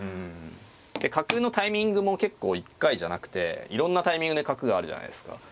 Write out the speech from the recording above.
角のタイミングも結構１回じゃなくていろんなタイミングで角があるじゃないですか。